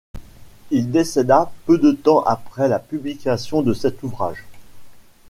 Il décéda peu de temps après la publication de cet ouvrage.